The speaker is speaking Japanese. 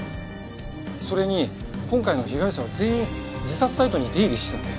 それに今回の被害者は全員自殺サイトに出入りしていたんです。